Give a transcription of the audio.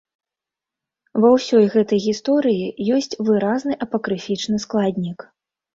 Ва ўсёй гэтай гісторыі ёсць выразны апакрыфічны складнік.